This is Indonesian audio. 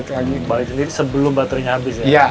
sebelum baterainya habis ya